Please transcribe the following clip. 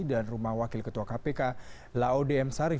dan rumah wakil ketua kpk laodem sarif